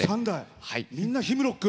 みんなヒムロック。